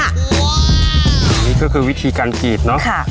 อันนี้ก็คือวิธีการกรีดเนอะ